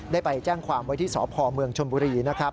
ไปแจ้งความไว้ที่สพเมืองชนบุรีนะครับ